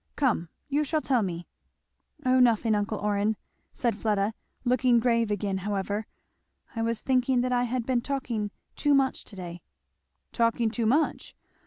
come, you shall tell me." "O nothing, uncle Orrin," said Fleda, looking grave again however; "I was thinking that I had been talking too much to day." "Talking too much?